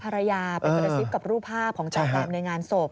ภรรยาเป็นกับรูปภาพของจาแซมในงานศพ